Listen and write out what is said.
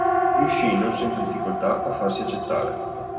Riuscì, non senza difficoltà, a farsi accettare.